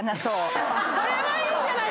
これはいいんじゃない？